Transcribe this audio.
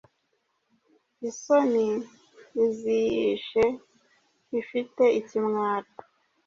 Isoni ziyishe, ifite ikimwaro